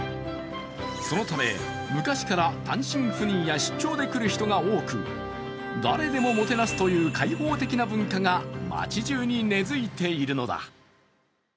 そのため、昔から単身赴任や出張で来る人が多く誰でももてなすという開放的な文化が街じゅうに根付いているのだ。